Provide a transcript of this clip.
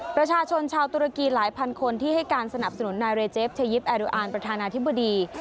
ประชาชนชาวตุรกีหลายพันคนที่ให้การสนับสนุนนายเรเจฟเทยิปแอดูอาร์ประธานาธิบดี